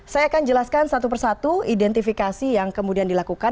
saya akan jelaskan satu persatu identifikasi yang kemudian dilakukan